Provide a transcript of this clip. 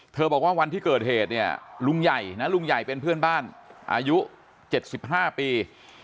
บอกว่าวันที่เกิดเหตุเนี่ยลุงใหญ่นะลุงใหญ่เป็นเพื่อนบ้านอายุ๗๕ปี